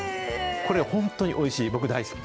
これ、本当においしい、僕大好き